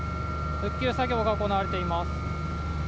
復旧作業が行われています。